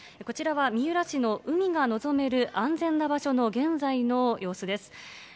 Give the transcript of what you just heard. こちらは三浦市の海が望める安全な場所の、現在の様子です。